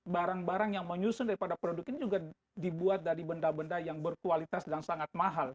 barang barang yang menyusun daripada produk ini juga dibuat dari benda benda yang berkualitas dan sangat mahal